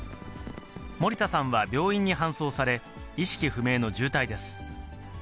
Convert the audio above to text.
森田さんは病院に搬送され、意識不明の重体です。